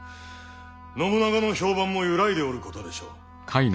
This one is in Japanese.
信長の評判も揺らいでおることでしょう。